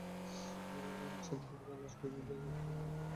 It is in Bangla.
শ্যামল হেমব্রমের লাশ কয়েক দিন ধরে দিনাজপুর মেডিকেলের মর্গে পড়ে ছিল।